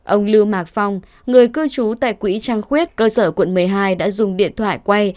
ông lưu mạc phong người cư trú tại quỹ trăng khuyết cơ sở quận một mươi hai đã dùng điện thoại quay